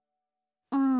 うん。